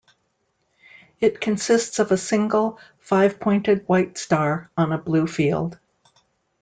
It consists of a single, five-pointed white star on a blue field.